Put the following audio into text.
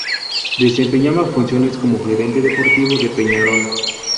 Desempeñaba funciones como Gerente Deportivo de Peñarol.